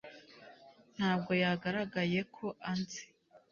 ntabwo yagaragaye ko anzi